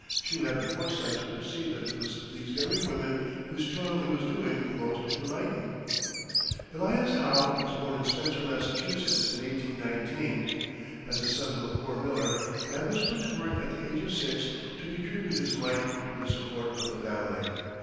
Few had the foresight to perceive that it was these very women whose toil he was doing most to lighten! Elias Howe, born in Spencer, Massachusetts, in 1819, as the son of a poor miller, and was put to work at the age of six to contribute his mite to the support of the family.